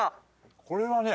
これはね